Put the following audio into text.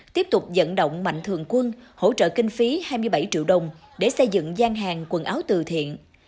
tiếp tục dẫn động mạnh thường quân hỗ trợ kinh phí hai mươi bảy triệu đồng để xây dựng gian hàng quần áo từ thiện